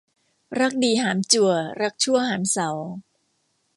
รักดีหามจั่ว รักชั่วหามเสา